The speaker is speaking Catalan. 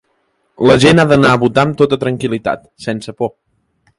La gent ha d’anar a votar amb tota tranquil·litat, sense por.